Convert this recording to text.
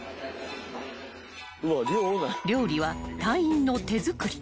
［料理は隊員の手作り］